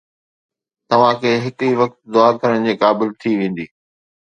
توهان کي هڪ ئي وقت دعا ڪرڻ جي قابل ٿي ويندي